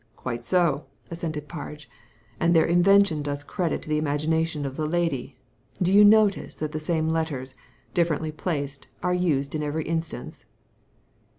"Quite so," assented Parge, "and their invention does credit to the imagination of the lady. Do you notice that the same letters, differently placed, are used in every instance